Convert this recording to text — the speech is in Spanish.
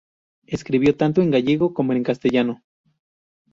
Escribió tanto en gallego como en castellano.